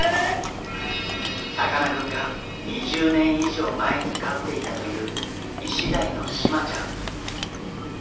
さかなクンが２０年以上前に飼っていたというイシダイのシマちゃん。